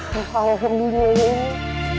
silahkan masuk mas